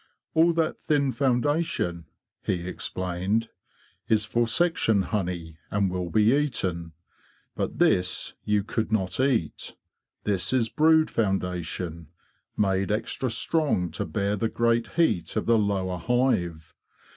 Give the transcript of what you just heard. '* All that thin foundation,'' he explained, '' is for section honey, and will be eaten. But this you could not eat. This is brood foundation, made extra strong to bear the great heat of the lower hive.